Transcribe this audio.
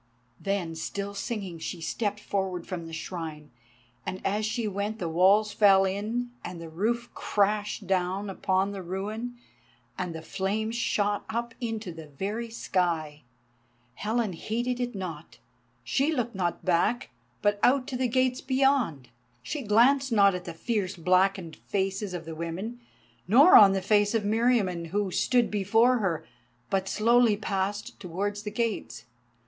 _" Then, still singing, she stepped forward from the Shrine, and as she went the walls fell in, and the roof crashed down upon the ruin and the flames shot up into the very sky. Helen heeded it not. She looked not back, but out to the gates beyond. She glanced not at the fierce blackened faces of the women, nor on the face of Meriamun, who stood before her, but slowly passed towards the gates.